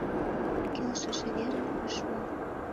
Келшыше верым ыш му.